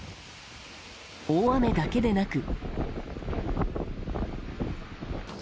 大雨だけでなく。